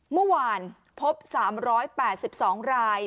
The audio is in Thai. เมื่อวานพบ๓๘๒ราย